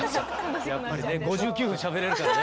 やっぱりね５９分しゃべれるからね。